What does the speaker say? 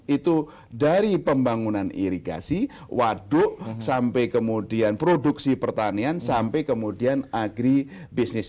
itu dari pembangunan irigasi waduk sampai kemudian produksi pertanian sampai kemudian agri business